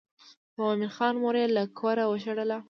د مومن خان مور یې له کوره وشړله.